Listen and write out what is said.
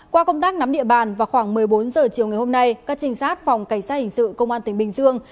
qua công tác nắm địa bàn vào khoảng một mươi bốn h chiều ngày hôm nay các trinh sát phòng cảnh sát hình sự công an tỉnh bình dương